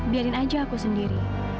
biarin aja aku sendiri